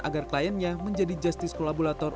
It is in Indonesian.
agar kliennya menjadi justice kolaborator